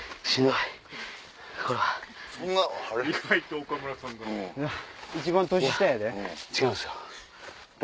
いや違うんすよ。